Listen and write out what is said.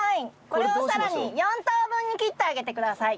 これをさらに４等分に切ってあげてください。